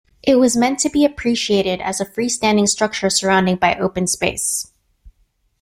It was meant to be appreciated as a free-standing structure surrounded by open space.